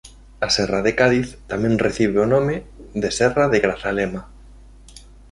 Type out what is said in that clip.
A Serra de Cádiz tamén recibe o nome de Serra de Grazalema.